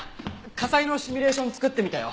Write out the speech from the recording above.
火災のシミュレーション作ってみたよ。